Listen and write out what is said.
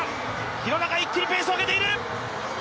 廣中一気にペースを上げている！